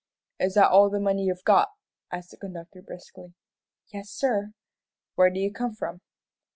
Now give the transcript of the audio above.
"Is that all the money you've got?" asked the conductor, briskly. "Yes, sir." "Where do you come from?"